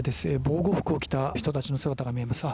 防護服を着た人の姿が見えます。